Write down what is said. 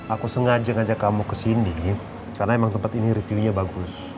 aku sengaja ngajak kamu kesini karena tempat ini reviewnya bagus